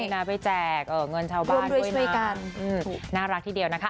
พี่น้าไปแจกเงินชาวบ้านด้วยนะน่ารักทีเดียวนะคะ